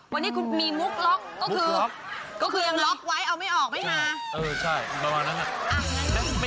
วันนี้คุณมีมุกล็อกก็คือมุกล็อกไว้เอาไม่ออกไม่หาเออใช่ประมาณนั้นไม่หาจริงด้วย